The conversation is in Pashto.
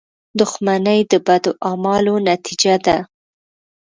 • دښمني د بدو اعمالو نتیجه ده.